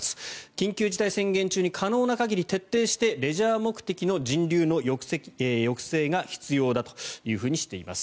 緊急事態宣言中に可能な限り徹底してレジャー目的の人流の抑制が必要だというふうにしています。